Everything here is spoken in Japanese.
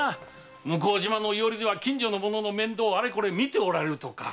向島の庵では近所の者の面倒をあれこれ見ておられるとか。